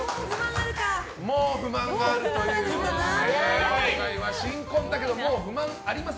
もう不満があるということで今回は新婚だけどもう不満あります